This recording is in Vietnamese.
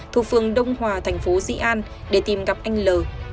thu phương đông hòa thành phố dĩ an để tìm gặp anh l